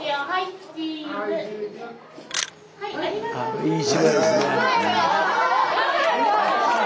はい。